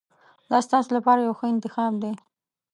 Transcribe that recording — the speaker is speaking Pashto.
دا ستاسو لپاره یو ښه انتخاب دی.